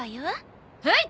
はい！